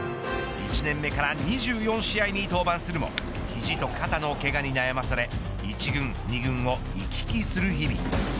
１年目から２４試合に登板するも肘と肩のけがに悩まされ１軍、２軍を行き来する日々。